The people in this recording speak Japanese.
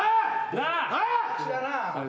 なあ？